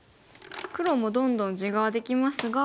黒もどんどん地ができますが。